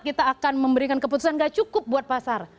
kita akan memberikan keputusan gak cukup buat pasar